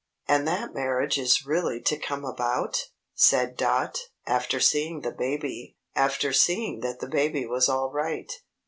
"And that marriage is really to come about!" said Dot, after seeing that the baby was all right.